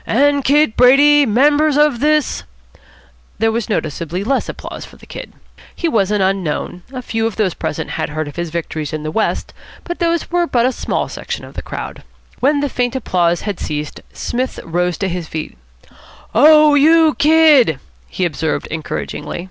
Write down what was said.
" and Kid Brady, members of this " There was noticeably less applause for the Kid. He was an unknown. A few of those present had heard of his victories in the West, but these were but a small section of the crowd. When the faint applause had ceased, Psmith rose to his feet. "Oh, you Kid!" he observed encouragingly.